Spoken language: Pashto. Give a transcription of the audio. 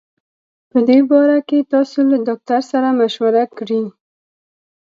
په دي باره کي تاسو له ډاکټر سره مشوره کړي